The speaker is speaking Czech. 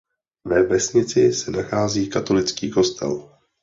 Ve vesnici se nachází katolický kostel.